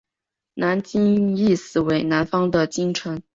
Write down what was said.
南京意思为南方的京城。